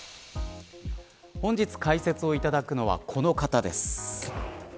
本日解説をいただくのはこの方です。